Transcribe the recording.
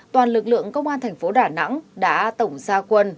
toàn lực lượng công an thành phố đà nẵng đã tổng gia quân